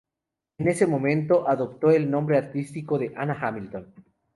En ese momento adoptó el nombre artístico de "Ana Hamilton".